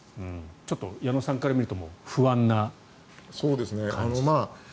ちょっと矢野さんから見ると不安な感じ。